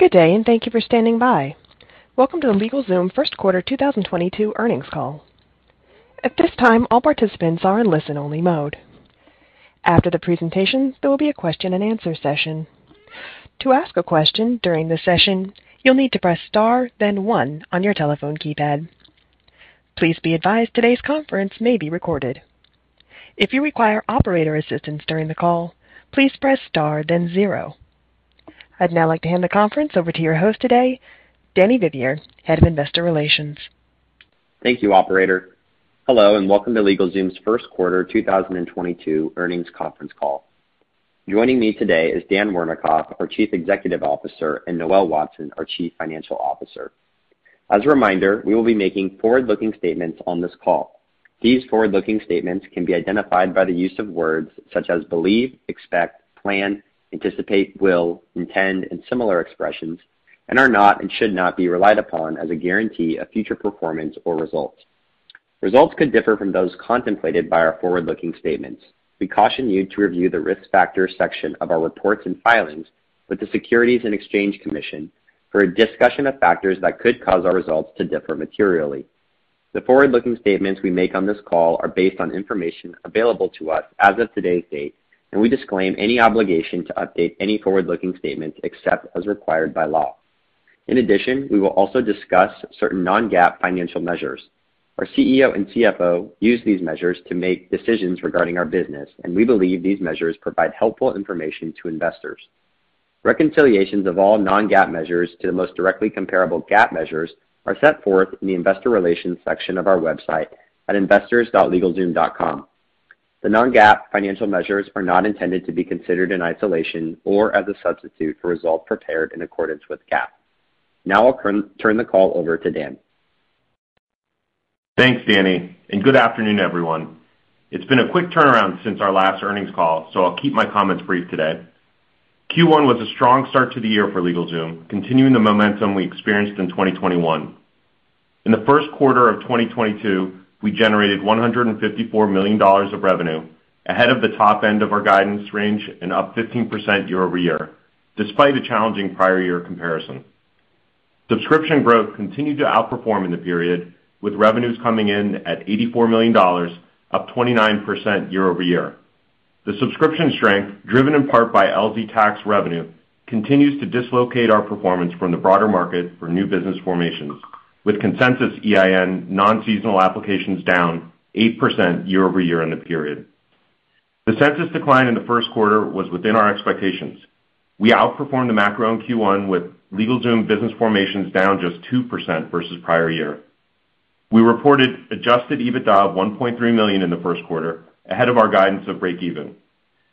Good day, and thank you for standing by. Welcome to LegalZoom First Quarter 2022 Earnings Call. At this time, all participants are in listen-only mode. After the presentation, there will be a question-and-answer session. To ask a question during the session, you'll need to press Star, then one on your telephone keypad. Please be advised today's conference may be recorded. If you require operator assistance during the call, please press Star, then zero. I'd now like to hand the conference over to your host today, Danny Vivier, Head of Investor Relations. Thank you, operator. Hello, and welcome to LegalZoom's First Quarter 2022 Earnings Conference Call. Joining me today is Dan Wernikoff, our Chief Executive Officer, and Noel Watson, our Chief Financial Officer. As a reminder, we will be making forward-looking statements on this call. These forward-looking statements can be identified by the use of words such as believe, expect, plan, anticipate, will, intend, and similar expressions, and are not and should not be relied upon as a guarantee of future performance or results. Results could differ from those contemplated by our forward-looking statements. We caution you to review the Risk Factors section of our reports and filings with the Securities and Exchange Commission for a discussion of factors that could cause our results to differ materially. The forward-looking statements we make on this call are based on information available to us as of today's date, and we disclaim any obligation to update any forward-looking statements except as required by law. In addition, we will also discuss certain non-GAAP financial measures. Our CEO and CFO use these measures to make decisions regarding our business, and we believe these measures provide helpful information to investors. Reconciliations of all non-GAAP measures to the most directly comparable GAAP measures are set forth in the Investor Relations section of our website at investors.LegalZoom.com. The non-GAAP financial measures are not intended to be considered in isolation or as a substitute for results prepared in accordance with GAAP. Now I'll turn the call over to Dan. Thanks, Danny, and good afternoon, everyone. It's been a quick turnaround since our last earnings call, so I'll keep my comments brief today. Q1 was a strong start to the year for LegalZoom, continuing the momentum we experienced in 2021. In the first quarter of 2022, we generated $154 million of revenue, ahead of the top end of our guidance range and up 15% year-over-year, despite a challenging prior-year comparison. Subscription growth continued to outperform in the period, with revenues coming in at $84 million, up 29% year-over-year. The subscription strength, driven in part by LZ Tax revenue, continues to dislocate our performance from the broader market for new business formations, with consensus EIN non-seasonal applications down 8% year-over-year in the period. The consensus decline in the first quarter was within our expectations. We outperformed the macro in Q1 with LegalZoom business formations down just 2% versus prior year. We reported adjusted EBITDA of $1.3 million in the first quarter, ahead of our guidance of breakeven.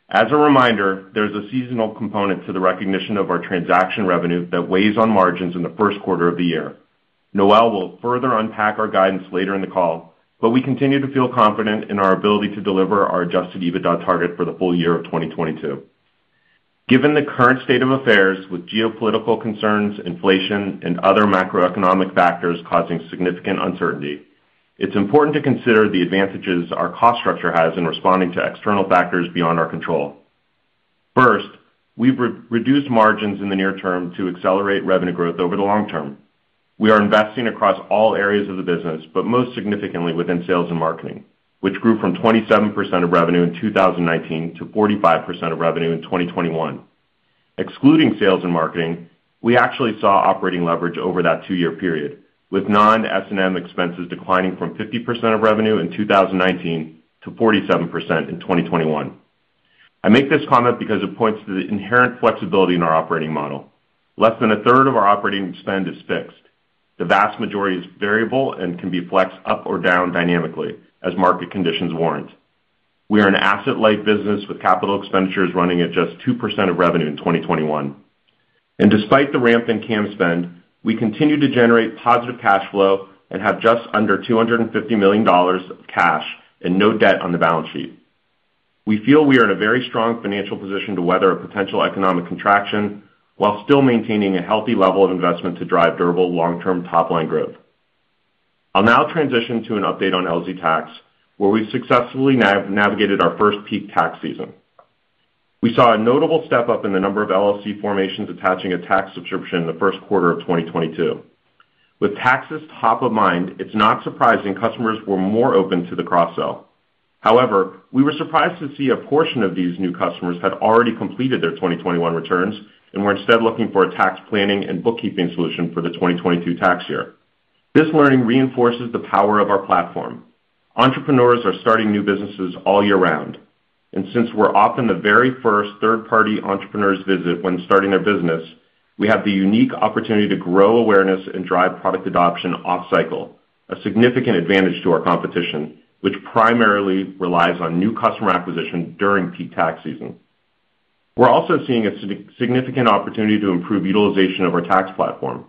As a reminder, there's a seasonal component to the recognition of our transaction revenue that weighs on margins in the first quarter of the year. Noel will further unpack our guidance later in the call, but we continue to feel confident in our ability to deliver our adjusted EBITDA target for the full-year of 2022. Given the current state of affairs with geopolitical concerns, inflation, and other macroeconomic factors causing significant uncertainty, it's important to consider the advantages our cost structure has in responding to external factors beyond our control. First, we've re-reduced margins in the near term to accelerate revenue growth over the long term. We are investing across all areas of the business, but most significantly within sales and marketing, which grew from 27% of revenue in 2019 to 45% of revenue in 2021. Excluding sales and marketing, we actually saw operating leverage over that two-year period, with non-S&M expenses declining from 50% of revenue in 2019 to 47% in 2021. I make this comment because it points to the inherent flexibility in our operating model. Less than a third of our operating spend is fixed. The vast majority is variable and can be flexed up or down dynamically as market conditions warrant. We are an asset-light business with capital expenditures running at just 2% of revenue in 2021. Despite the ramp in CAM spend, we continue to generate positive cash flow and have just under $250 million of cash and no debt on the balance sheet. We feel we are in a very strong financial position to weather a potential economic contraction while still maintaining a healthy level of investment to drive durable long-term top-line growth. I'll now transition to an update on LZ Tax, where we've successfully navigated our first peak tax season. We saw a notable step-up in the number of LLC formations attaching a tax subscription in the first quarter of 2022. With taxes top of mind, it's not surprising customers were more open to the cross-sell. However, we were surprised to see a portion of these new customers had already completed their 2021 returns and were instead looking for a tax planning and bookkeeping solution for the 2022 tax year. This learning reinforces the power of our platform. Entrepreneurs are starting new businesses all year round, and since we're often the very first third-party entrepreneurs visit when starting their business, we have the unique opportunity to grow awareness and drive product adoption off cycle, a significant advantage to our competition, which primarily relies on new customer acquisition during peak tax season. We're also seeing a significant opportunity to improve utilization of our tax platform.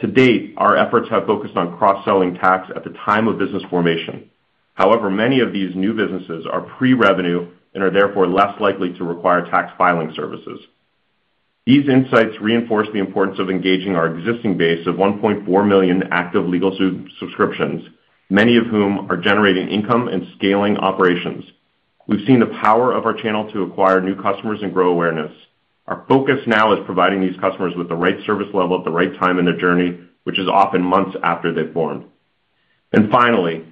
To date, our efforts have focused on cross-selling tax at the time of business formation. However, many of these new businesses are pre-revenue and are therefore less likely to require tax filing services. These insights reinforce the importance of engaging our existing base of 1.4 million active LegalZoom subscriptions, many of whom are generating income and scaling operations. We've seen the power of our channel to acquire new customers and grow awareness. Our focus now is providing these customers with the right service level at the right time in their journey, which is often months after they've formed. Finally,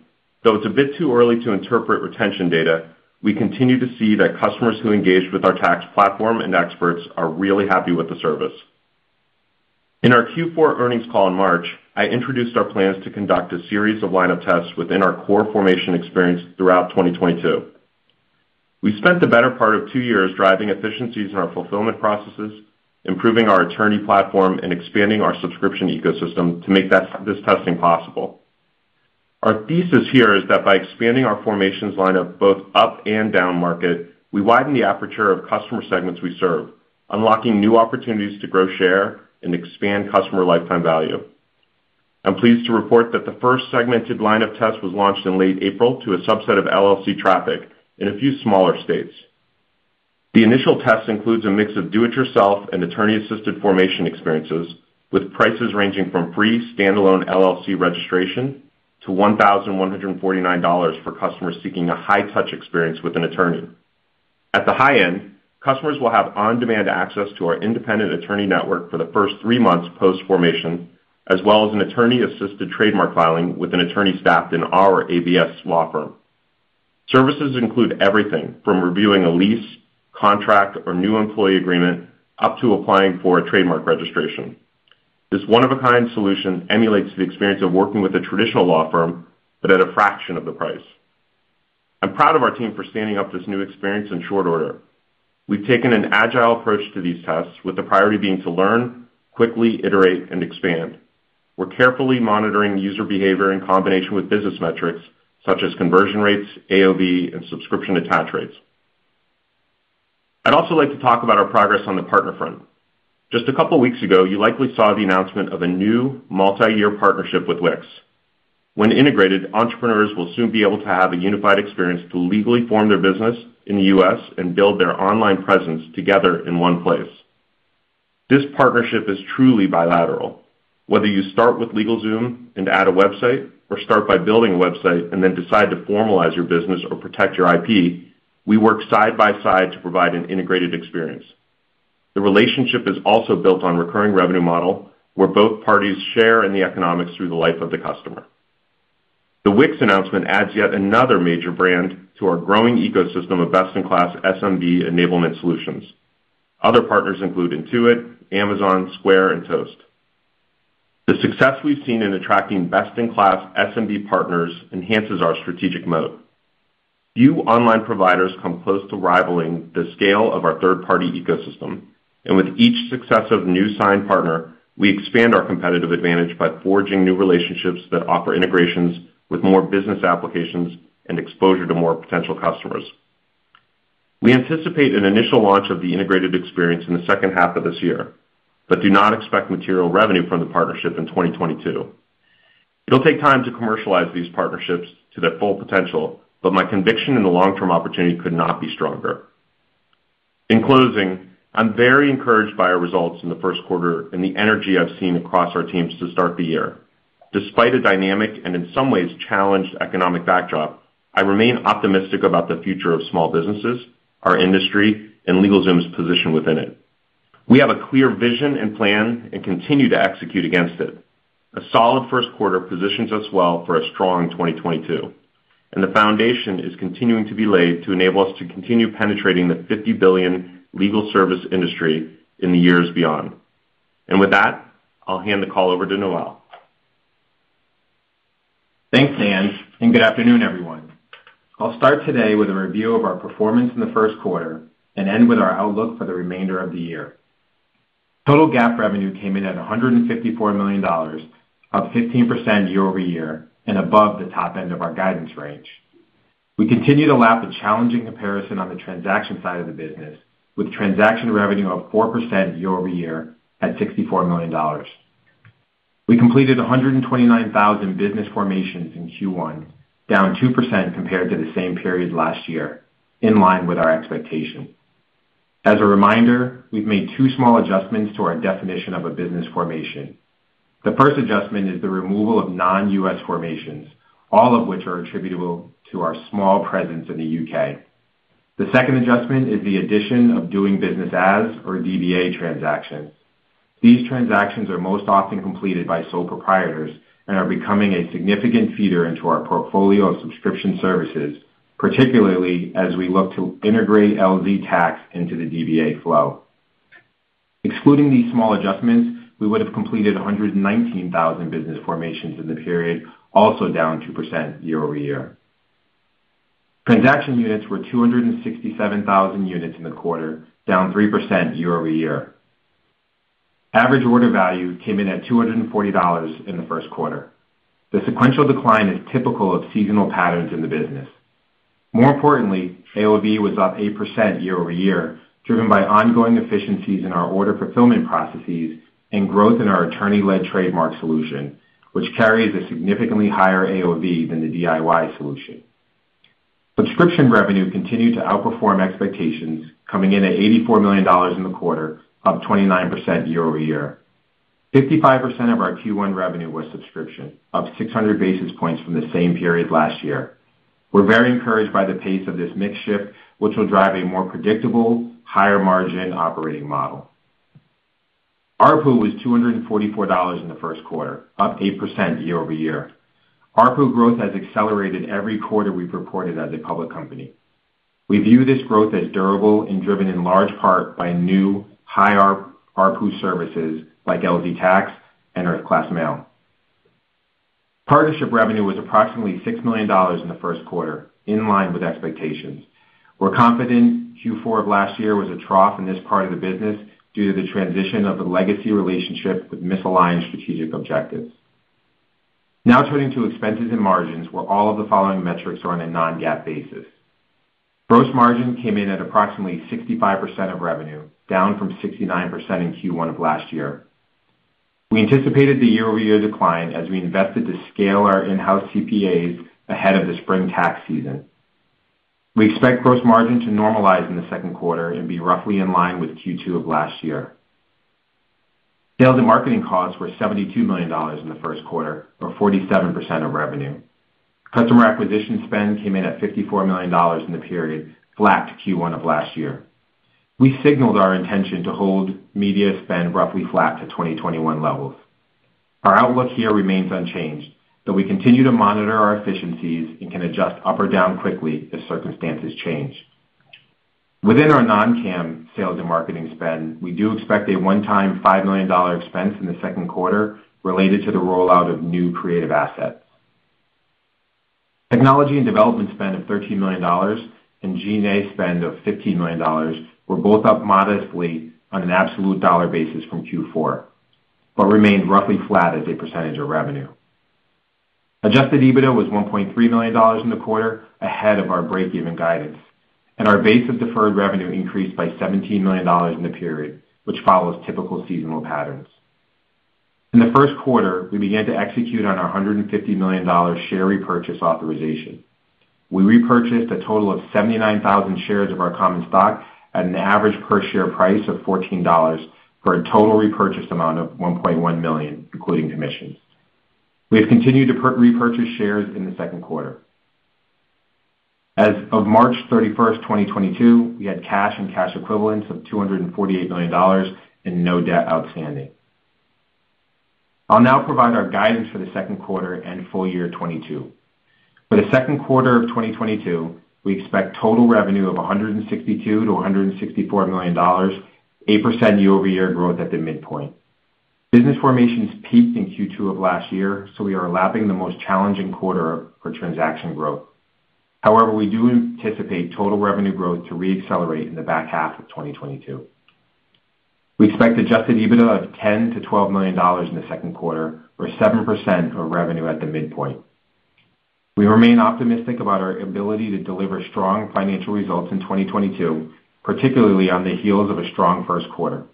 though it's a bit too early to interpret retention data, we continue to see that customers who engage with our tax platform and experts are really happy with the service. In our Q4 earnings call in March, I introduced our plans to conduct a series of lineup tests within our core formation experience throughout 2022. We spent the better part of two years driving efficiencies in our fulfillment processes, improving our attorney platform, and expanding our subscription ecosystem to make this testing possible. Our thesis here is that by expanding our formations lineup both up and down market, we widen the aperture of customer segments we serve, unlocking new opportunities to grow, share, and expand customer lifetime value. I'm pleased to report that the first segmented lineup test was launched in late April to a subset of LLC traffic in a few smaller states. The initial test includes a mix of do-it-yourself and attorney-assisted formation experiences, with prices ranging from free standalone LLC registration to $1,149 for customers seeking a high-touch experience with an attorney. At the high end, customers will have on-demand access to our independent attorney network for the first three months post-formation, as well as an attorney-assisted trademark filing with an attorney staffed in our ABS law firm. Services include everything from reviewing a lease, contract, or new employee agreement up to applying for a trademark registration. This one-of-a-kind solution emulates the experience of working with a traditional law firm, but at a fraction of the price. I'm proud of our team for standing up this new experience in short order. We've taken an agile approach to these tests, with the priority being to learn, quickly iterate, and expand. We're carefully monitoring user behavior in combination with business metrics such as conversion rates, AOV, and subscription attach rates. I'd also like to talk about our progress on the partner front. Just a couple weeks ago, you likely saw the announcement of a new multi-year partnership with Wix. When integrated, entrepreneurs will soon be able to have a unified experience to legally form their business in the U.S. and build their online presence together in one place. This partnership is truly bilateral. Whether you start with LegalZoom and add a website or start by building a website and then decide to formalize your business or protect your IP, we work side by side to provide an integrated experience. The relationship is also built on recurring revenue model, where both parties share in the economics through the life of the customer. The Wix announcement adds yet another major brand to our growing ecosystem of best-in-class SMB enablement solutions. Other partners include Intuit, Amazon, Square, and Toast. The success we've seen in attracting best-in-class SMB partners enhances our strategic moat. Few online providers come close to rivaling the scale of our third-party ecosystem, and with each successive new signed partner, we expand our competitive advantage by forging new relationships that offer integrations with more business applications and exposure to more potential customers. We anticipate an initial launch of the integrated experience in the second half of this year, but do not expect material revenue from the partnership in 2022. It'll take time to commercialize these partnerships to their full potential, but my conviction in the long-term opportunity could not be stronger. In closing, I'm very encouraged by our results in the first quarter and the energy I've seen across our teams to start the year. Despite a dynamic and in some ways challenged economic backdrop, I remain optimistic about the future of small businesses, our industry, and LegalZoom's position within it. We have a clear vision and plan and continue to execute against it. A solid first quarter positions us well for a strong 2022, and the foundation is continuing to be laid to enable us to continue penetrating the $50 billion legal service industry in the years beyond. With that, I'll hand the call over to Noel. Thanks, Dan, and good afternoon, everyone. I'll start today with a review of our performance in the first quarter and end with our outlook for the remainder of the year. Total GAAP revenue came in at $154 million, up 15% year-over-year and above the top end of our guidance range. We continue to lap a challenging comparison on the transaction side of the business, with transaction revenue up 4% year-over-year at $64 million. We completed 129,000 business formations in Q1, down 2% compared to the same period last year, in line with our expectation. As a reminder, we've made two small adjustments to our definition of a business formation. The first adjustment is the removal of non-U.S. formations, all of which are attributable to our small presence in the U.K. The second adjustment is the addition of Doing Business As, or DBA, transactions. These transactions are most often completed by sole proprietors and are becoming a significant feeder into our portfolio of subscription services, particularly as we look to integrate LZ Tax into the DBA flow. Excluding these small adjustments, we would have completed 119,000 business formations in the period, also down 2% year-over-year. Transaction units were 267,000 units in the quarter, down 3% year-over-year. Average order value came in at $240 in the first quarter. The sequential decline is typical of seasonal patterns in the business. More importantly, AOV was up 8% year-over-year, driven by ongoing efficiencies in our order fulfillment processes and growth in our attorney-led trademark solution, which carries a significantly higher AOV than the DIY solution. Subscription revenue continued to outperform expectations, coming in at $84 million in the quarter, up 29% year-over-year. 55% of our Q1 revenue was subscription, up 600 basis points from the same period last year. We're very encouraged by the pace of this mix shift, which will drive a more predictable, higher margin operating model. ARPU was $244 in the first quarter, up 8% year-over-year. ARPU growth has accelerated every quarter we've reported as a public company. We view this growth as durable and driven in large part by new high ARPU services like LZ Tax and Earth Class Mail. Partnership revenue was approximately $6 million in the first quarter, in line with expectations. We're confident Q4 of last year was a trough in this part of the business due to the transition of the legacy relationship with misaligned strategic objectives. Now turning to expenses and margins, where all of the following metrics are on a non-GAAP basis. Gross margin came in at approximately 65% of revenue, down from 69% in Q1 of last year. We anticipated the year-over-year decline as we invested to scale our in-house CPAs ahead of the spring tax season. We expect gross margin to normalize in the second quarter and be roughly in line with Q2 of last year. Sales and marketing costs were $72 million in the first quarter, or 47% of revenue. Customer acquisition spend came in at $54 million in the period, flat to Q1 of last year. We signaled our intention to hold media spend roughly flat to 2021 levels. Our outlook here remains unchanged, though we continue to monitor our efficiencies and can adjust up or down quickly as circumstances change. Within our non-CAM sales and marketing spend, we do expect a one-time $5 million expense in the second quarter related to the rollout of new creative assets. Technology and development spend of $13 million and G&A spend of $15 million were both up modestly on an absolute dollar basis from Q4, but remained roughly flat as a percentage of revenue. Adjusted EBITDA was $1.3 million in the quarter, ahead of our breakeven guidance, and our base of deferred revenue increased by $17 million in the period, which follows typical seasonal patterns. In the first quarter, we began to execute on our $150 million share repurchase authorization. We repurchased a total of 79,000 shares of our common stock at an average per share price of $14 for a total repurchase amount of $1.1 million, including commissions. We have continued to repurchase shares in the second quarter. As of March 31st 2022, we had cash and cash equivalents of $248 million and no debt outstanding. I'll now provide our guidance for the second quarter and full-year 2022. For the second quarter of 2022, we expect total revenue of $162-$164 million, 8% year-over-year growth at the midpoint. Business formations peaked in Q2 of last year, so we are lapping the most challenging quarter for transaction growth. However, we do anticipate total revenue growth to re-accelerate in the back half of 2022. We expect adjusted EBITDA of $10-$12 million in the second quarter, or 7% of revenue at the midpoint. We remain optimistic about our ability to deliver strong financial results in 2022, particularly on the heels of a strong first quarter.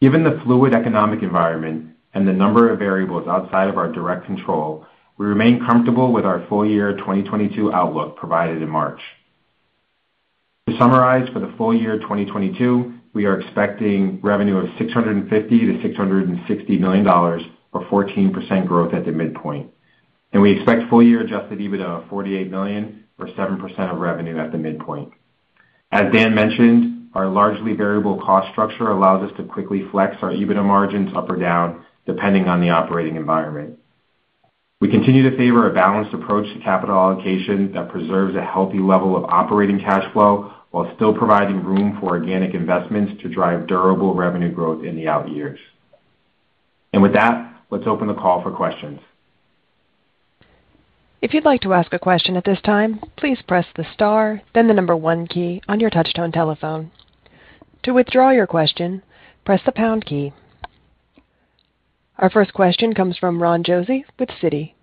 Given the fluid economic environment and the number of variables outside of our direct control, we remain comfortable with our full-year 2022 outlook provided in March. To summarize, for the full-year 2022, we are expecting revenue of $650 million-$660 million, or 14% growth at the midpoint. We expect full-year adjusted EBITDA of $48 million, or 7% of revenue at the midpoint. As Dan mentioned, our largely variable cost structure allows us to quickly flex our EBITDA margins up or down, depending on the operating environment. We continue to favor a balanced approach to capital allocation that preserves a healthy level of operating cash flow while still providing room for organic investments to drive durable revenue growth in the out years. With that, let's open the call for questions. If you'd like to ask a question at this time, please press the star then the number one key on your touch-tone telephone. To withdraw your question, press the pound key. Our first question comes from Ron Josey with Citi.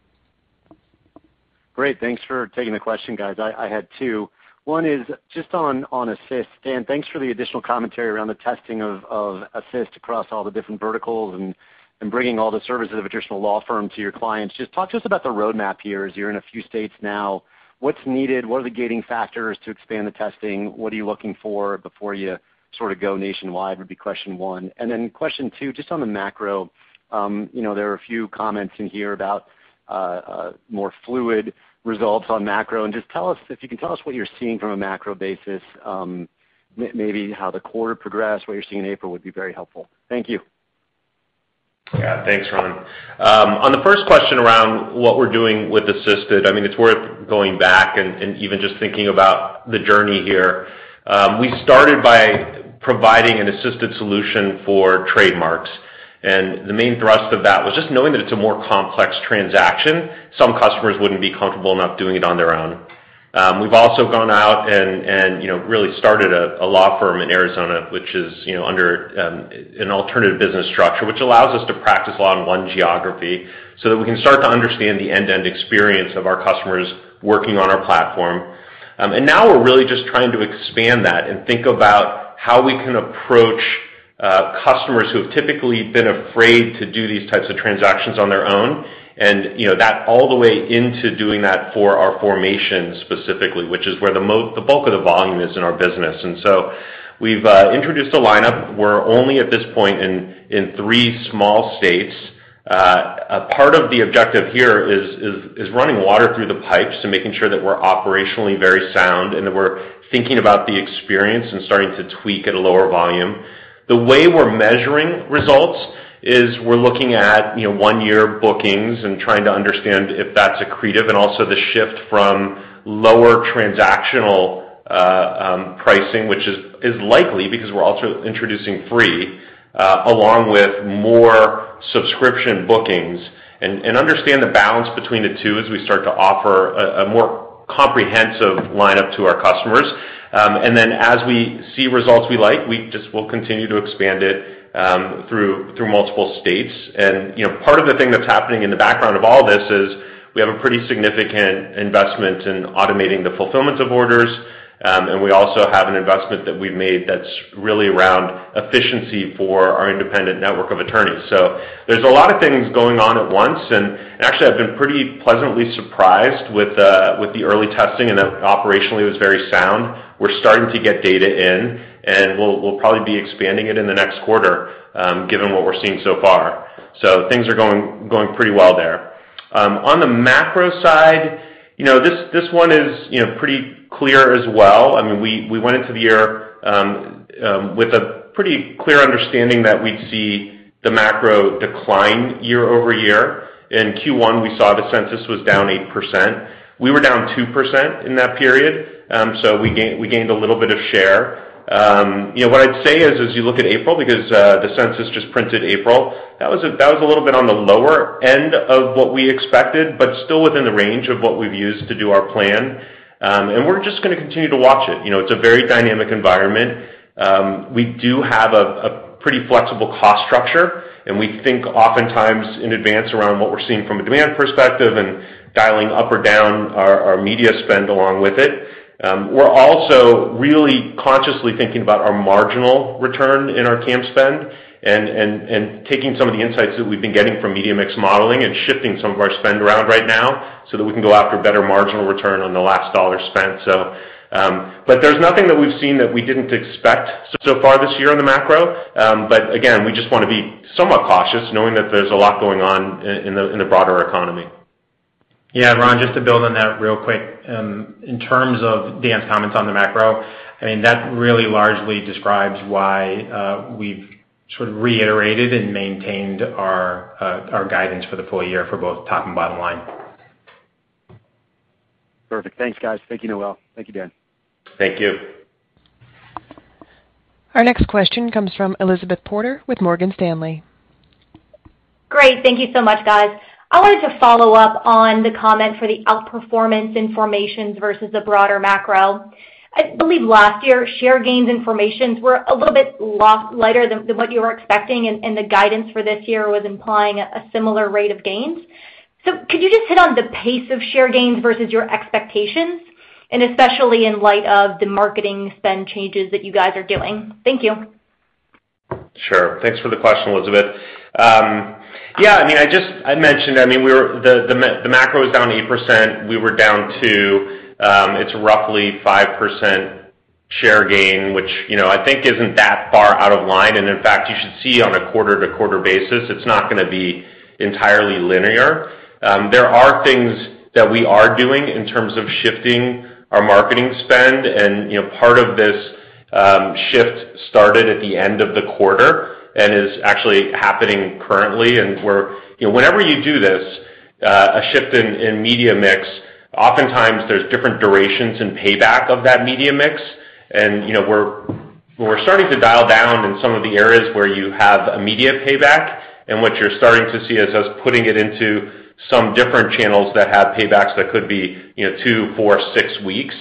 Great. Thanks for taking the question, guys. I had two. One is just on Assist. Dan, thanks for the additional commentary around the testing of Assist across all the different verticals and bringing all the services of additional law firms to your clients. Just talk to us about the roadmap here, as you're in a few states now. What's needed? What are the gating factors to expand the testing? What are you looking for before you sort of go nationwide? That would be question one. Question two, just on the macro, you know, there are a few comments in here about more fluid results on macro, and just tell us if you can tell us what you're seeing from a macro basis, maybe how the quarter progressed, what you're seeing in April. That would be very helpful. Thank you. Yeah. Thanks, Ron. On the first question around what we're doing with Assisted, I mean, it's worth going back and even just thinking about the journey here. We started by providing an assisted solution for trademarks, and the main thrust of that was just knowing that it's a more complex transaction, some customers wouldn't be comfortable enough doing it on their own. We've also gone out and, you know, really started a law firm in Arizona, which is, you know, under an alternative business structure, which allows us to practice law in one geography so that we can start to understand the end-to-end experience of our customers working on our platform. Now we're really just trying to expand that and think about how we can approach customers who have typically been afraid to do these types of transactions on their own. You know, that all the way into doing that for our formation specifically, which is where the bulk of the volume is in our business. We've introduced a lineup. We're only at this point in three small states. A part of the objective here is running water through the pipes and making sure that we're operationally very sound, and that we're thinking about the experience and starting to tweak at a lower volume. The way we're measuring results is we're looking at, you know, one-year bookings and trying to understand if that's accretive and also the shift from lower transactional pricing, which is likely because we're also introducing free along with more subscription bookings and understand the balance between the two as we start to offer a more comprehensive lineup to our customers. As we see results we like, we just will continue to expand it through multiple states. You know, part of the thing that's happening in the background of all this is we have a pretty significant investment in automating the fulfillment of orders, and we also have an investment that we've made that's really around efficiency for our independent network of attorneys. There's a lot of things going on at once. Actually, I've been pretty pleasantly surprised with the early testing and that operationally it was very sound. We're starting to get data in, and we'll probably be expanding it in the next quarter, given what we're seeing so far. Things are going pretty well there. On the macro side, you know, this one is pretty clear as well. I mean, we went into the year with a pretty clear understanding that we'd see the macro decline year-over-year. In Q1, we saw the census was down 8%. We were down 2% in that period, so we gained a little bit of share. You know, what I'd say is, as you look at April, because the census just printed April, that was a little bit on the lower end of what we expected, but still within the range of what we've used to do our plan. And we're just gonna continue to watch it. You know, it's a very dynamic environment. We do have a pretty flexible cost structure, and we think oftentimes in advance around what we're seeing from a demand perspective and dialing up or down our media spend along with it. We're also really consciously thinking about our marginal return in our CAM spend and taking some of the insights that we've been getting from media mix modeling and shifting some of our spend around right now so that we can go after better marginal return on the last dollar spent. There's nothing that we've seen that we didn't expect so far this year on the macro. Again, we just wanna be somewhat cautious knowing that there's a lot going on in the broader economy. Yeah. Ron, just to build on that real quick. In terms of Dan's comments on the macro, I mean, that really largely describes why we've sort of reiterated and maintained our guidance for the full-year for both top and bottom line. Perfect. Thanks, guys. Thank you, Noel. Thank you, Dan. Thank you. Our next question comes from Elizabeth Porter with Morgan Stanley. Great. Thank you so much, guys. I wanted to follow up on the comment for the outperformance in formations versus the broader macro. I believe last year, share gains in formations were a little bit lighter than what you were expecting, and the guidance for this year was implying a similar rate of gains. Could you just hit on the pace of share gains versus your expectations, and especially in light of the marketing spend changes that you guys are doing? Thank you. Sure. Thanks for the question, Elizabeth. Yeah, I mean, I mentioned, I mean, the macro was down 8%. We were down too, it's roughly 5% share gain, which, you know, I think isn't that far out of line. In fact, you should see on a quarter-to-quarter basis, it's not gonna be entirely linear. There are things that we are doing in terms of shifting our marketing spend. You know, part of this, shift started at the end of the quarter and is actually happening currently and where. You know, whenever you do this, a shift in media mix, oftentimes there's different durations in payback of that media mix. We're starting to dial down in some of the areas where you have immediate payback, and what you're starting to see is us putting it into some different channels that have paybacks that could be, you know, 2, 4, 6 weeks.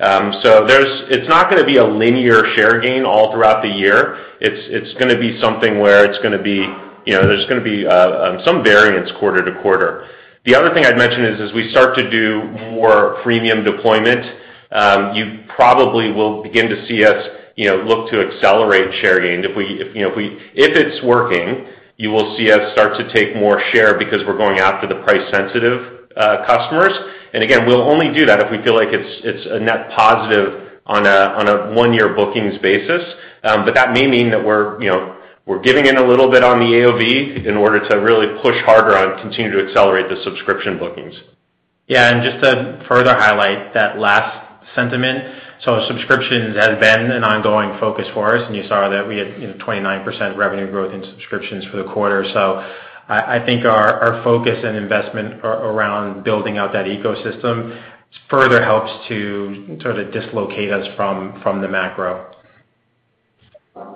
So it's not gonna be a linear share gain all throughout the year. It's gonna be something where it's gonna be, you know, there's gonna be some variance quarter to quarter. The other thing I'd mention is as we start to do more premium deployment, you probably will begin to see us, you know, look to accelerate share gain. If it's working, you will see us start to take more share because we're going after the price sensitive customers. Again, we'll only do that if we feel like it's a net positive on a one-year bookings basis. That may mean that we're, you know, giving in a little bit on the AOV in order to really push harder on continue to accelerate the subscription bookings. Yeah. Just to further highlight that last sentiment, so subscriptions has been an ongoing focus for us, and you saw that we had, you know, 29% revenue growth in subscriptions for the quarter. I think our focus and investment around building out that ecosystem further helps to sort of dislocate us from the macro.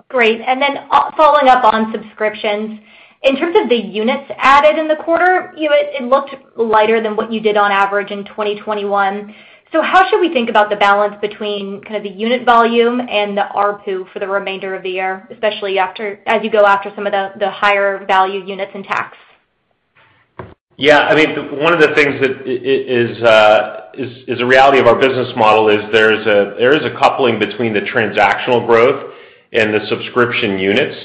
Great. Then following up on subscriptions, in terms of the units added in the quarter, you know, it looked lighter than what you did on average in 2021. How should we think about the balance between kind of the unit volume and the ARPU for the remainder of the year, especially as you go after some of the higher value units and tax? Yeah. I mean, one of the things that is a reality of our business model is there is a coupling between the transactional growth and the subscription units.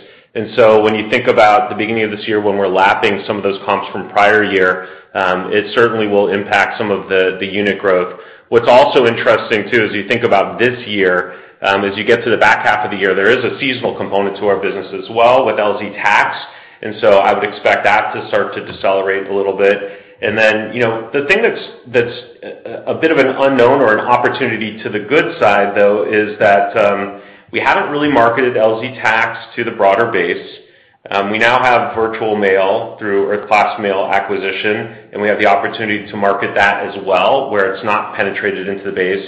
When you think about the beginning of this year when we're lapping some of those comps from prior year, it certainly will impact some of the unit growth. What's also interesting too, as you think about this year, as you get to the back half of the year, there is a seasonal component to our business as well with LZ Tax, and so I would expect that to start to decelerate a little bit. You know, the thing that's a bit of an unknown or an opportunity to the good side though is that, we haven't really marketed LZ Tax to the broader base. We now have virtual mail through our Earth Class Mail acquisition, and we have the opportunity to market that as well, where it's not penetrated into the base.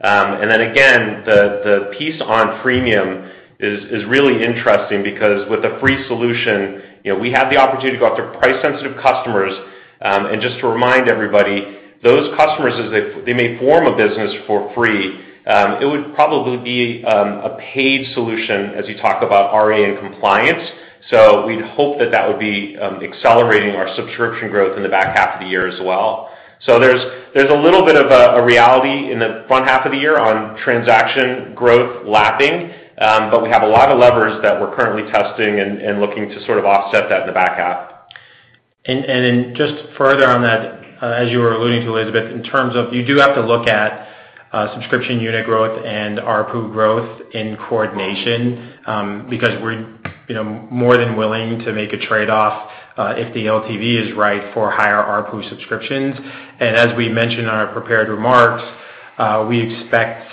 The piece on premium is really interesting because with a free solution, you know, we have the opportunity to go out to price sensitive customers, and just to remind everybody, those customers is that they may form a business for free. It would probably be a paid solution as you talk about RA and compliance. We'd hope that that would be accelerating our subscription growth in the back half of the year as well. There's a little bit of a reality in the front half of the year on transaction growth lapping, but we have a lot of levers that we're currently testing and looking to sort of offset that in the back half. Then just further on that, as you were alluding to Elizabeth, in terms of you do have to look at subscription unit growth and ARPU growth in coordination, because we're, you know, more than willing to make a trade-off, if the LTV is right for higher ARPU subscriptions. As we mentioned on our prepared remarks, we expect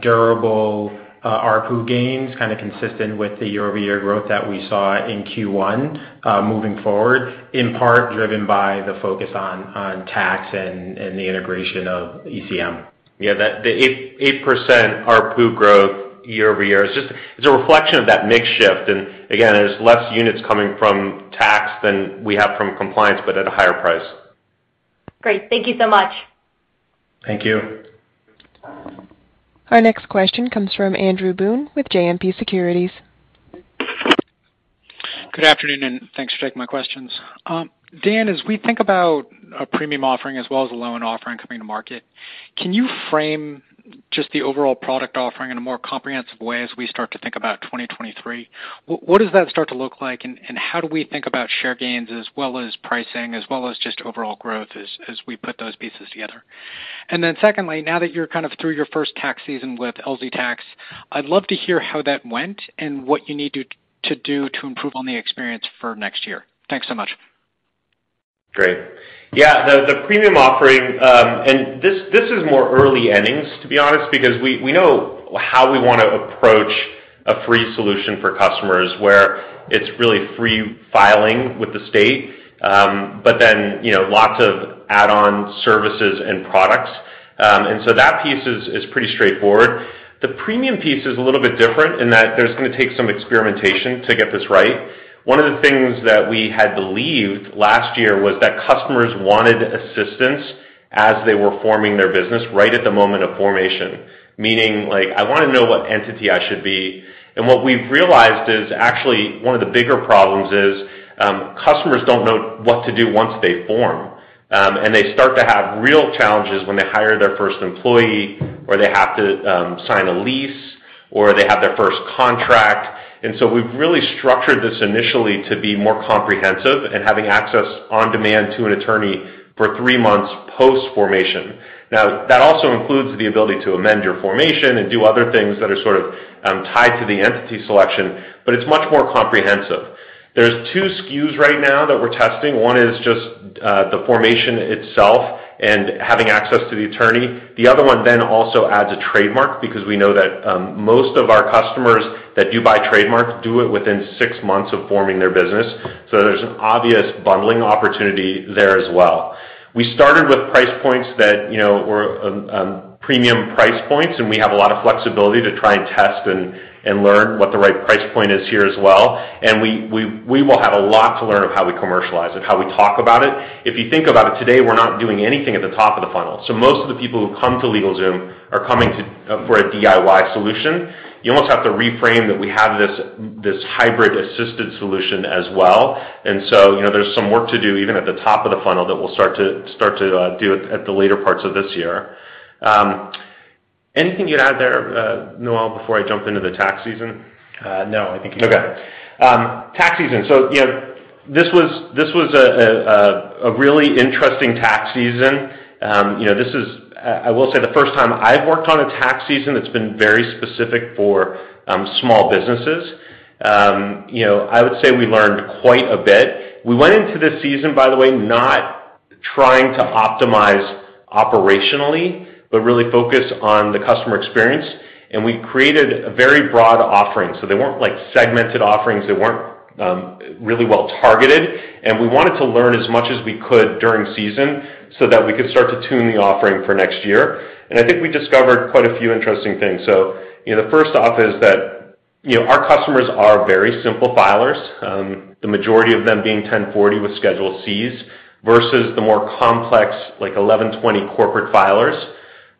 durable ARPU gains kind of consistent with the year-over-year growth that we saw in Q1, moving forward, in part driven by the focus on tax and the integration of ECM. Yeah. The eight percent ARPU growth year-over-year is just, it's a reflection of that mix shift, and again, there's less units coming from tax than we have from compliance, but at a higher price. Great. Thank you so much. Thank you. Our next question comes from Andrew Boone with JMP Securities. Good afternoon, and thanks for taking my questions. Dan, as we think about a premium offering as well as a loan offering coming to market, can you frame just the overall product offering in a more comprehensive way as we start to think about 2023? What does that start to look like, and how do we think about share gains as well as pricing, as well as just overall growth as we put those pieces together? Then secondly, now that you're kind of through your first tax season with LZ Tax, I'd love to hear how that went and what you need to do to improve on the experience for next year. Thanks so much. Great. Yeah, the premium offering, and this is more early innings, to be honest, because we know how we wanna approach a free solution for customers where it's really free filing with the state, but then, you know, lots of add-on services and products. That piece is pretty straightforward. The premium piece is a little bit different in that it's gonna take some experimentation to get this right. One of the things that we had believed last year was that customers wanted assistance as they were forming their business right at the moment of formation. Meaning, like, I wanna know what entity I should be. What we've realized is actually one of the bigger problems is, customers don't know what to do once they form. They start to have real challenges when they hire their first employee, or they have to sign a lease, or they have their first contract. We've really structured this initially to be more comprehensive and having access on demand to an attorney for three months post-formation. Now, that also includes the ability to amend your formation and do other things that are sort of tied to the entity selection, but it's much more comprehensive. There's 2 SKUs right now that we're testing. One is just the formation itself and having access to the attorney. The other one then also adds a trademark because we know that most of our customers that do buy trademarks do it within six months of forming their business. There's an obvious bundling opportunity there as well. We started with price points that, you know, were premium price points, and we have a lot of flexibility to try and test and learn what the right price point is here as well. We will have a lot to learn of how we commercialize it, how we talk about it. If you think about it today, we're not doing anything at the top of the funnel. Most of the people who come to LegalZoom are coming to for a DIY solution. You almost have to reframe that we have this hybrid assisted solution as well. You know, there's some work to do even at the top of the funnel that we'll start to do at the later parts of this year. Anything you'd add there, Noel, before I jump into the tax season? No. I think you're covered. Okay. Tax season. You know, this was a really interesting tax season. You know, this is, I will say, the first time I've worked on a tax season that's been very specific for small businesses. You know, I would say we learned quite a bit. We went into this season, by the way, not trying to optimize operationally, but really focus on the customer experience. We created a very broad offering. They weren't like segmented offerings. They weren't really well targeted. We wanted to learn as much as we could during season so that we could start to tune the offering for next year. I think we discovered quite a few interesting things. You know, the first off is that, you know, our customers are very simple filers, the majority of them being 1040 with Schedule Cs versus the more complex, like, 1120 corporate filers.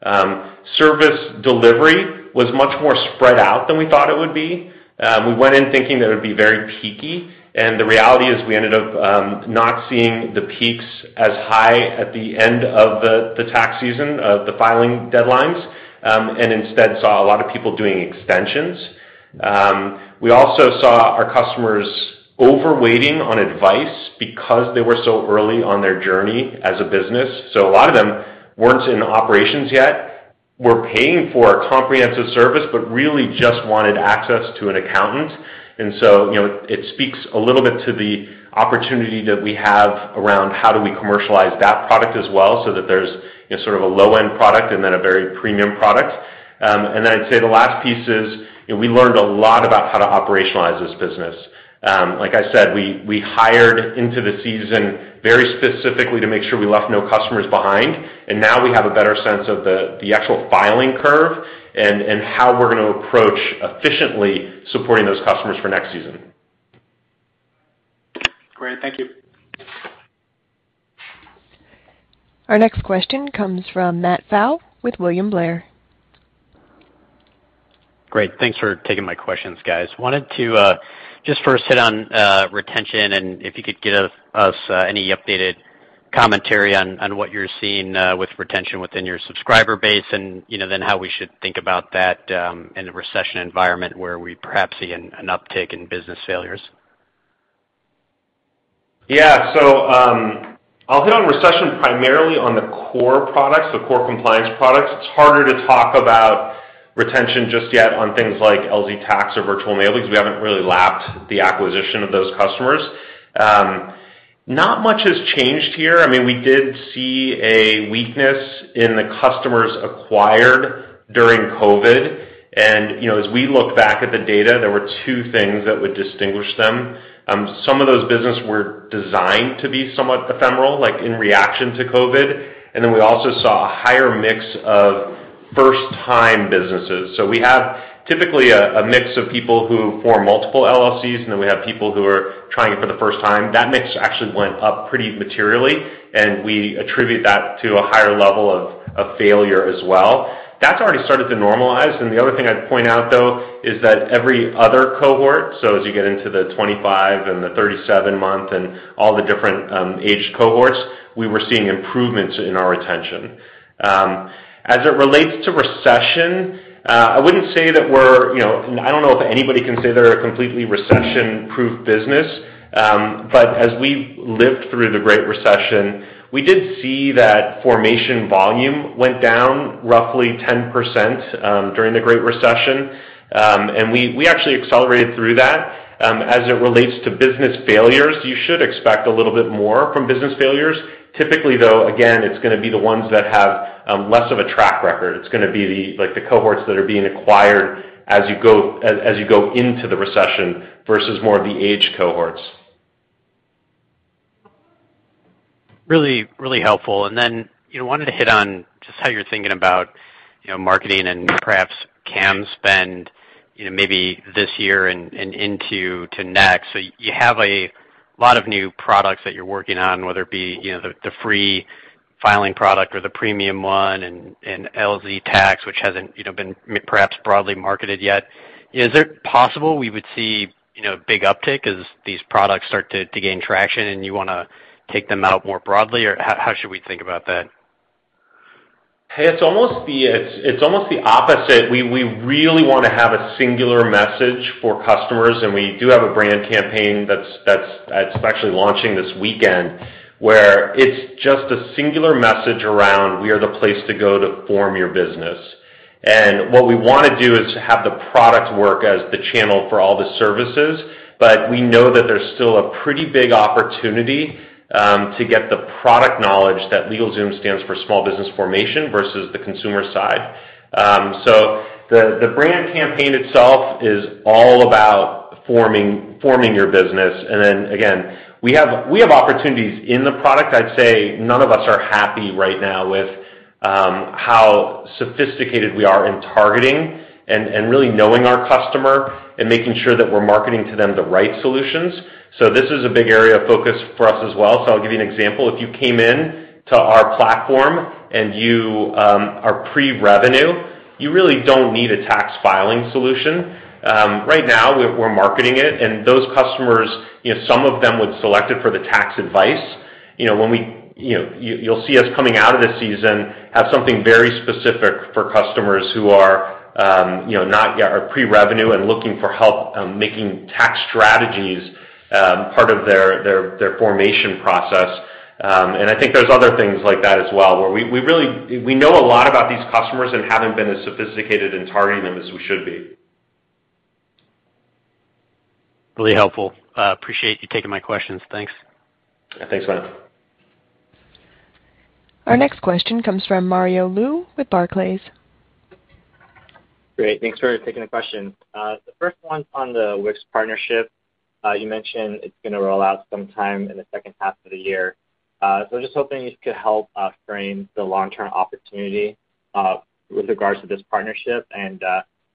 Service delivery was much more spread out than we thought it would be. We went in thinking that it would be very peaky, and the reality is we ended up not seeing the peaks as high at the end of the tax season of the filing deadlines, and instead saw a lot of people doing extensions. We also saw our customers overwaiting on advice because they were so early on their journey as a business. A lot of them weren't in operations yet, were paying for a comprehensive service, but really just wanted access to an accountant. You know, it speaks a little bit to the opportunity that we have around how do we commercialize that product as well, so that there's sort of a low-end product and then a very premium product. I'd say the last piece is we learned a lot about how to operationalize this business. Like I said, we hired into the season very specifically to make sure we left no customers behind. Now we have a better sense of the actual filing curve and how we're gonna approach efficiently supporting those customers for next season. Great. Thank you. Our next question comes from Matt Pfau with William Blair. Great. Thanks for taking my questions, guys. Wanted to just first hit on retention and if you could give us any updated commentary on what you're seeing with retention within your subscriber base, and you know, then how we should think about that in a recession environment where we perhaps see an uptick in business failures? Yeah. I'll hit on retention primarily on the core products, the core compliance products. It's harder to talk about retention just yet on things like LZ Tax or Earth Class Mail. We haven't really lapped the acquisition of those customers. Not much has changed here. I mean, we did see a weakness in the customers acquired during COVID. You know, as we look back at the data, there were two things that would distinguish them. Some of those businesses were designed to be somewhat ephemeral, like in reaction to COVID, and then we also saw a higher mix of first-time businesses. We have typically a mix of people who form multiple LLCs, and then we have people who are trying it for the first time. That mix actually went up pretty materially, and we attribute that to a higher level of failure as well. That's already started to normalize. The other thing I'd point out, though, is that every other cohort, so as you get into the 25 and the 37-month and all the different aged cohorts, we were seeing improvements in our retention. As it relates to recession, I wouldn't say that we're you know, I don't know if anybody can say they're a completely recession-proof business, but as we lived through the Great Recession, we did see that formation volume went down roughly 10% during the Great Recession. We actually accelerated through that. As it relates to business failures, you should expect a little bit more from business failures. Typically, though, again, it's gonna be the ones that have less of a track record. It's gonna be like the cohorts that are being acquired as you go into the recession versus more of the age cohorts. Really, really helpful. Then, you know, wanted to hit on just how you're thinking about, you know, marketing and perhaps S&M spend, you know, maybe this year and into next. You have a lot of new products that you're working on, whether it be, you know, the free filing product or the premium one and LZ Tax, which hasn't, you know, been perhaps broadly marketed yet. Is it possible we would see, you know, a big uptick as these products start to gain traction and you wanna take them out more broadly, or how should we think about that? Hey, it's almost the opposite. We really wanna have a singular message for customers, and we do have a brand campaign that's actually launching this weekend, where it's just a singular message around we are the place to go to form your business. What we wanna do is have the product work as the channel for all the services. We know that there's still a pretty big opportunity to get the product knowledge that LegalZoom stands for small business formation versus the consumer side. The brand campaign itself is all about forming your business. We have opportunities in the product. I'd say none of us are happy right now with how sophisticated we are in targeting and really knowing our customer and making sure that we're marketing to them the right solutions. This is a big area of focus for us as well. I'll give you an example. If you came in to our platform and you are pre-revenue, you really don't need a tax filing solution. Right now we're marketing it, and those customers, you know, some of them would select it for the tax advice. You know, you'll see us coming out of this season have something very specific for customers who are, you know, are pre-revenue and looking for help making tax strategies part of their formation process. I think there's other things like that as well, where we really know a lot about these customers and haven't been as sophisticated in targeting them as we should be. Really helpful. Appreciate you taking my questions. Thanks. Thanks, Matt. Our next question comes from Mario Lu with Barclays. Great. Thanks for taking the question. The first one's on the Wix partnership. You mentioned it's gonna roll out sometime in the second half of the year. So just hoping you could help frame the long-term opportunity with regards to this partnership.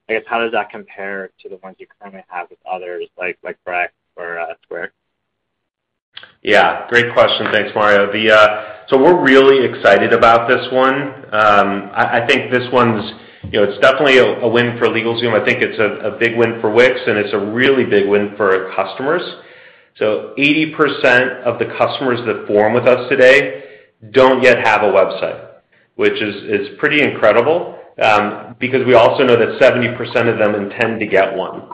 I guess how does that compare to the ones you currently have with others like Brex or Square? Yeah, great question. Thanks, Mario. We're really excited about this one. I think this one, you know, it's definitely a win for LegalZoom. I think it's a big win for Wix, and it's a really big win for our customers. 80% of the customers that form with us today don't yet have a website, which is pretty incredible, because we also know that 70% of them intend to get one.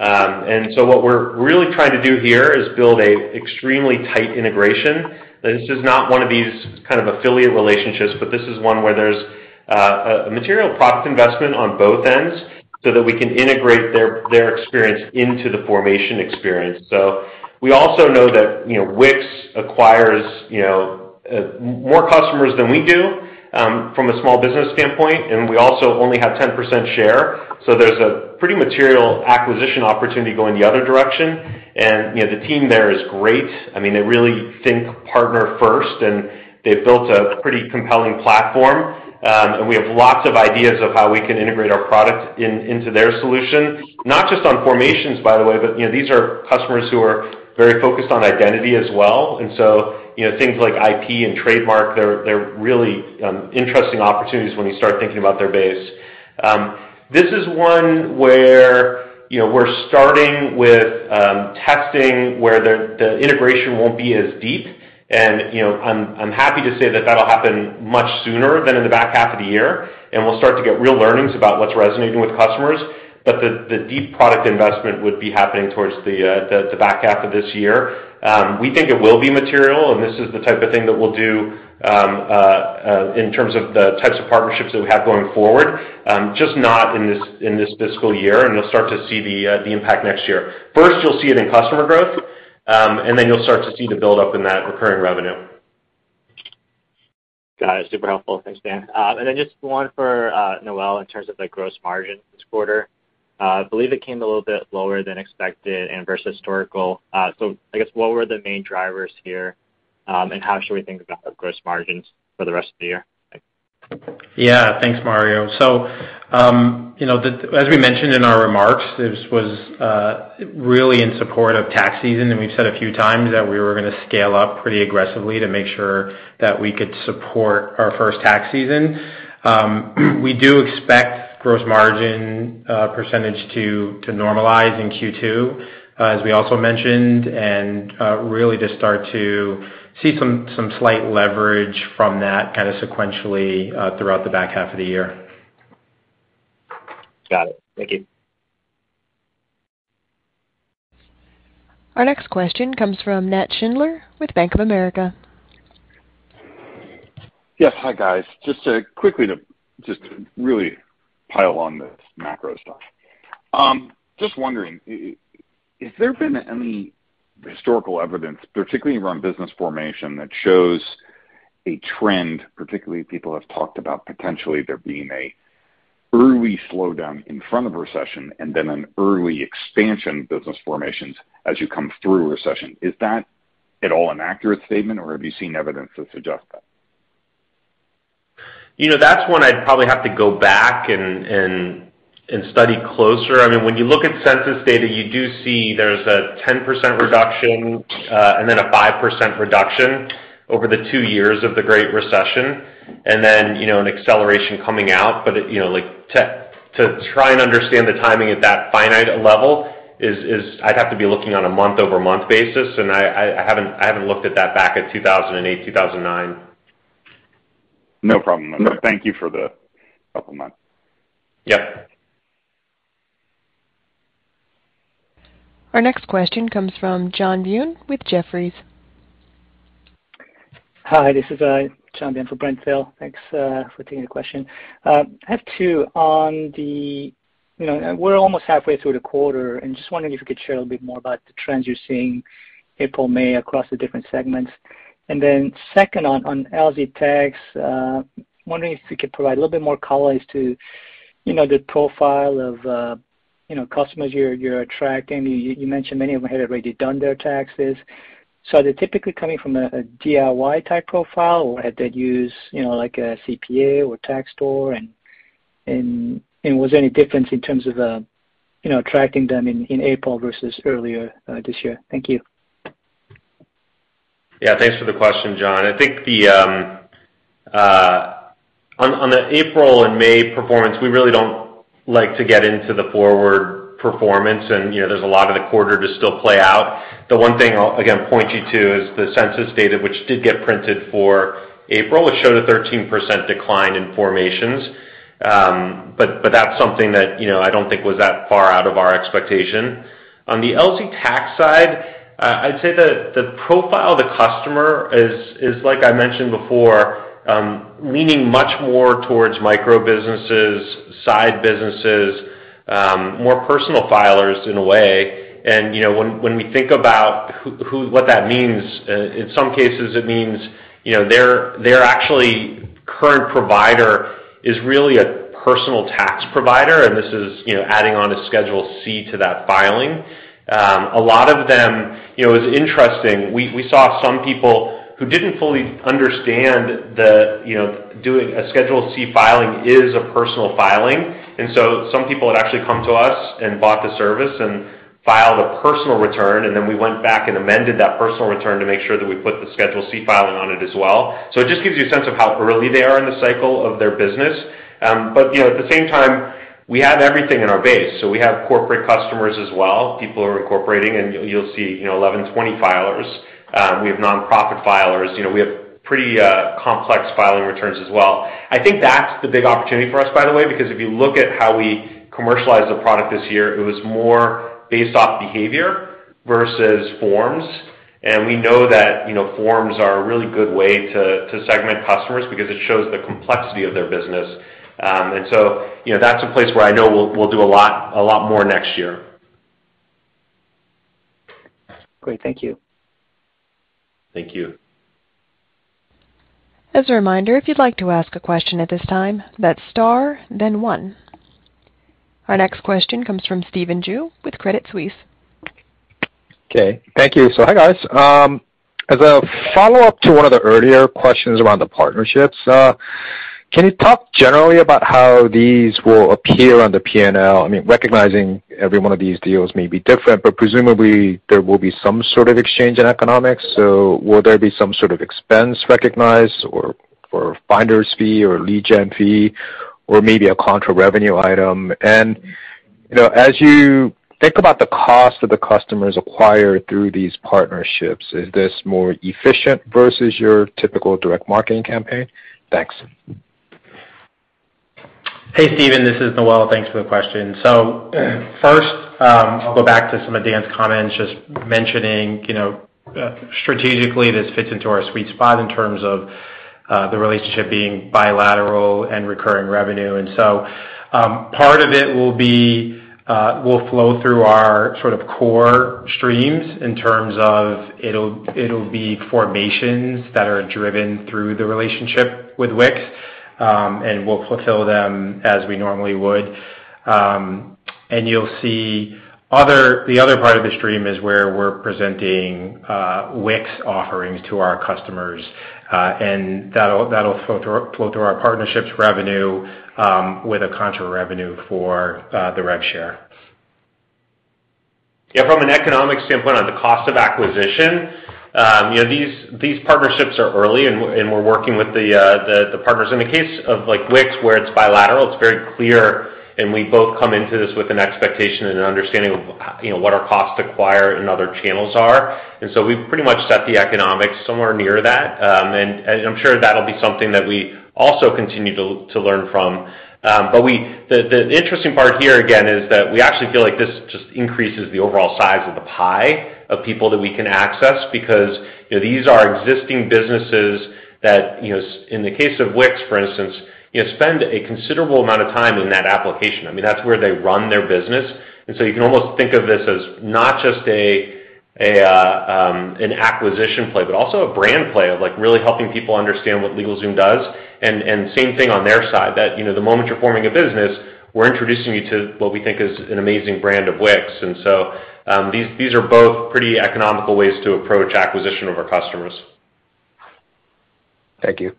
What we're really trying to do here is build a extremely tight integration. This is not one of these kind of affiliate relationships, but this is one where there's a material product investment on both ends so that we can integrate their experience into the formation experience. We also know that, you know, Wix acquires, you know, more customers than we do, from a small business standpoint, and we also only have 10% share. There's a pretty material acquisition opportunity going the other direction. You know, the team there is great. I mean, they really think partner first, and they've built a pretty compelling platform. We have lots of ideas of how we can integrate our product into their solution, not just on formations, by the way, but, you know, these are customers who are very focused on identity as well. You know, things like IP and trademark, they're really interesting opportunities when you start thinking about their base. This is one where, you know, we're starting with testing where the integration won't be as deep. You know, I'm happy to say that that'll happen much sooner than in the back half of the year, and we'll start to get real learnings about what's resonating with customers. The deep product investment would be happening towards the back half of this year. We think it will be material, and this is the type of thing that we'll do in terms of the types of partnerships that we have going forward, just not in this fiscal year, and you'll start to see the impact next year. First, you'll see it in customer growth, and then you'll start to see the build up in that recurring revenue. Got it. Super helpful. Thanks, Dan. Just one for Noel in terms of the gross margin this quarter. I believe it came a little bit lower than expected and versus historical. I guess, what were the main drivers here, and how should we think about the gross margins for the rest of the year? Yeah. Thanks, Mario. You know, as we mentioned in our remarks, this was really in support of tax season, and we've said a few times that we were gonna scale up pretty aggressively to make sure that we could support our first tax season. We do expect gross margin percentage to normalize in Q2, as we also mentioned, and really just start to see some slight leverage from that kinda sequentially throughout the back half of the year. Got it. Thank you. Our next question comes from Nat Schindler with Bank of America. Yes. Hi, guys. Just quickly to just really pile on this macro stuff. Just wondering, has there been any historical evidence, particularly around business formation, that shows a trend, particularly people have talked about potentially there being a early slowdown in front of a recession and then an early expansion business formations as you come through a recession? Is that at all an accurate statement, or have you seen evidence to suggest that? You know, that's one I'd probably have to go back and study closer. I mean, when you look at census data, you do see there's a 10% reduction, and then a 5% reduction over the two years of the Great Recession, and then, you know, an acceleration coming out. You know, like to try and understand the timing at that finite level is I'd have to be looking on a month-over-month basis, and I haven't looked at that back at 2008, 2009. No problem. No. Thank you for the supplement. Yep. Our next question comes from John Byun with Jefferies. Hi, this is John Byun for Brent Thill. Thanks for taking the question. I have two. You know, we're almost halfway through the quarter and just wondering if you could share a little bit more about the trends you're seeing April, May across the different segments. Second, on LZ Tax, wondering if you could provide a little bit more color as to, you know, the profile of, you know, customers you're attracting. You mentioned many of them had already done their taxes. Are they typically coming from a DIY type profile, or had they used, you know, like a CPA or tax store and was there any difference in terms of, you know, attracting them in April versus earlier this year? Thank you. Yeah, thanks for the question, John. I think on the April and May performance, we really don't like to get into the forward performance, and, you know, there's a lot of the quarter to still play out. The one thing I'll again point you to is the census data, which did get printed for April. It showed a 13% decline in formations. But that's something that, you know, I don't think was that far out of our expectation. On the LZ Tax side, I'd say the profile of the customer is, like I mentioned before, leaning much more towards micro businesses, side businesses, more personal filers in a way. You know, when we think about what that means, in some cases it means, you know, their actually current provider is really a personal tax provider, and this is, you know, adding on a Schedule C to that filing. A lot of them, you know, it was interesting. We saw some people who didn't fully understand that, you know, doing a Schedule C filing is a personal filing. Some people had actually come to us and bought the service and filed a personal return, and then we went back and amended that personal return to make sure that we put the Schedule C filing on it as well. It just gives you a sense of how early they are in the cycle of their business. But, you know, at the same time We have everything in our base. We have corporate customers as well, people who are incorporating, and you'll see, you know, 1120 filers. We have nonprofit filers. You know, we have pretty complex filing returns as well. I think that's the big opportunity for us, by the way, because if you look at how we commercialized the product this year, it was more based off behavior versus forms. We know that, you know, forms are a really good way to segment customers because it shows the complexity of their business. You know, that's a place where I know we'll do a lot more next year. Great. Thank you. Thank you. As a reminder, if you'd like to ask a question at this time, that's star then one. Our next question comes from Stephen Ju with Credit Suisse. Okay. Thank you. Hi, guys. As a follow-up to one of the earlier questions around the partnerships, can you talk generally about how these will appear on the P&L? I mean, recognizing every one of these deals may be different, but presumably there will be some sort of exchange in economics. Will there be some sort of expense recognized or finder's fee or lead gen fee or maybe a contra revenue item? You know, as you think about the cost of the customers acquired through these partnerships, is this more efficient versus your typical direct marketing campaign? Thanks. Hey, Stephen, this is Noel. Thanks for the question. First, I'll go back to some of Dan's comments just mentioning, you know, strategically, this fits into our sweet spot in terms of the relationship being bilateral and recurring revenue. Part of it will flow through our sort of core streams in terms of it'll be formations that are driven through the relationship with Wix, and we'll fulfill them as we normally would. You'll see the other part of the stream is where we're presenting Wix offerings to our customers, and that'll flow through our partnerships revenue with a contra revenue for the rev share. Yeah, from an economic standpoint on the cost of acquisition, you know, these partnerships are early and we're working with the partners. In the case of like Wix, where it's bilateral, it's very clear and we both come into this with an expectation and an understanding of you know, what our cost to acquire in other channels are. We've pretty much set the economics somewhere near that. I'm sure that'll be something that we also continue to learn from. The interesting part here again is that we actually feel like this just increases the overall size of the pie of people that we can access because, you know, these are existing businesses that, you know, in the case of Wix, for instance, you know, spend a considerable amount of time in that application. I mean, that's where they run their business. You can almost think of this as not just an acquisition play, but also a brand play of like really helping people understand what LegalZoom does. Same thing on their side, that, you know, the moment you're forming a business, we're introducing you to what we think is an amazing brand of Wix. These are both pretty economical ways to approach acquisition of our customers. Thank you.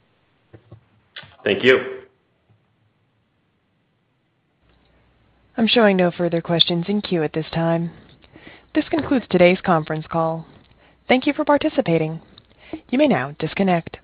Thank you. I'm showing no further questions in queue at this time. This concludes today's conference call. Thank you for participating. You may now disconnect.